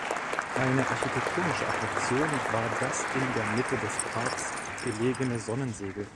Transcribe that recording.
Eine architektonische Attraktion war das in der Mitte des Parks gelegene Sonnensegel.